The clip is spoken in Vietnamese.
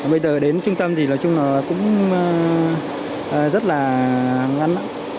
bây giờ đến trung tâm thì nói chung là cũng rất là ngắn